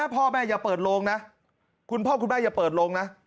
พ่อแม่อย่าเปิดโรงนะคุณพ่อคุณแม่อย่าเปิดโรงนะ